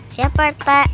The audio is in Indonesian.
siap pak rt